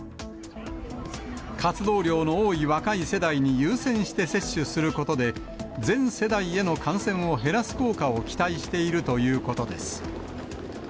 活動量の多い若い世代に優先して接種することで、全世代への感染を減らす効果を期待しているということです。